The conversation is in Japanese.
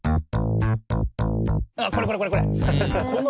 あっこれこれこれこれ！